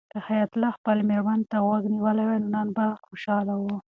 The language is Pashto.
که حیات الله خپلې مېرمنې ته غوږ نیولی وای نو نن به خوشحاله و.